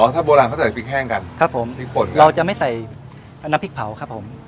ถ้าโบราณเขาใส่พริกแห้งกันครับผมพริกป่นเราจะไม่ใส่น้ำพริกเผาครับผม